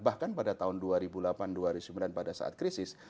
bahkan pada tahun dua ribu delapan dua ribu sembilan pada saat krisis